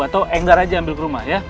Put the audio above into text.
atau enggar aja ambil ke rumah ya